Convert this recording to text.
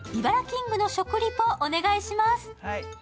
キングの食リポ、お願いします。